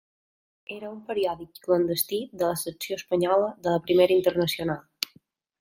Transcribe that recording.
Era un periòdic clandestí de la secció espanyola de la Primera Internacional.